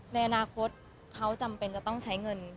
ในอนาคตเขาจำเป็นจะต้องใช้เงิน